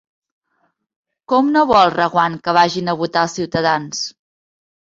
Com no vol Reguant que vagin a votar els ciutadans?